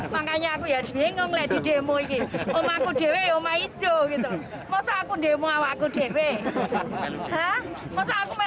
makanya aku ya bingung lady demo ini om aku dewi om ajo gitu mas aku demo aku dewi